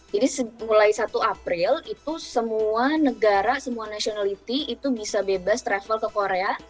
mulai satu april itu semua negara semua nationality itu bisa bebas travel ke korea